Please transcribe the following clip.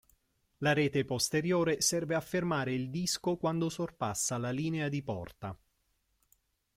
La rete posteriore serve a fermare il disco quando sorpassa la linea di porta.